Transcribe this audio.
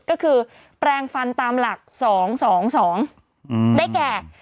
ก็คือแปลงฟันตามหลัก๒๒๒ได้แก่